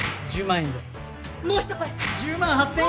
１１万円で！